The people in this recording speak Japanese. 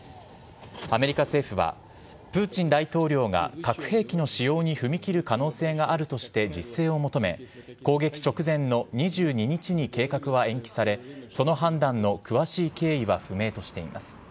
アメリカ政府は、プーチン大統領が核兵器の使用に踏み切る可能性があるとして自制を求め、攻撃直前の２２日に計画は延期され、その判断の詳しい経緯は不明としています。